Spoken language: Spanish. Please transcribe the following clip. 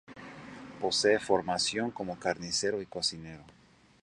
Posee formación como carnicero y cocinero.